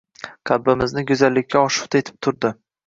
Qalbimizni goʻzallikka oshufta etib turdi